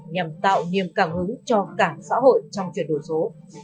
nhằm tạo niềm cảm hứng cho cả xã hội trong chuyển đổi số